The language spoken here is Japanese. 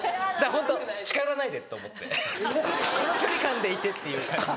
ホント近寄らないで！って思ってこの距離感でいてっていう感じで。